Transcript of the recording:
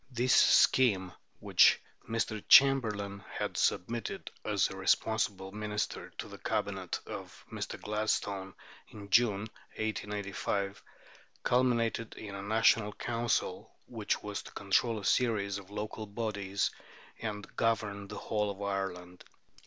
This scheme, which Mr. Chamberlain had submitted as a responsible minister to the Cabinet of Mr. Gladstone in June, 1885, culminated in a National Council which was to control a series of local bodies and govern the whole of Ireland.